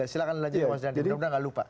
silahkan lanjut ya pak jokowi